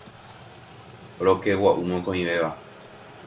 Rokegua'u mokõivéva.